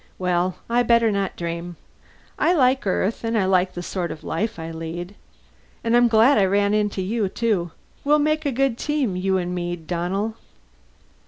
"Well, I better not dream. I like Earth and I like the sort of life I lead. And I'm glad I ran into you, too we'll make a good team, you and me, Donnell."